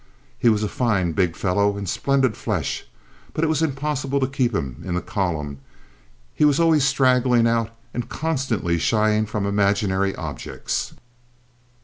He was a fine, big fellow, in splendid flesh, but it was impossible to keep him in the column; he was always straggling out and constantly shying from imaginary objects.